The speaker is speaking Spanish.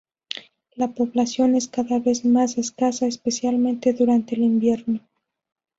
La población es cada vez más escasa, especialmente durante el invierno.